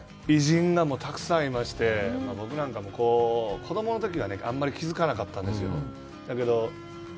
偉人がたくさんいまして、僕なんかも子供のときはあんまり気づかなかったんですけど、だけど、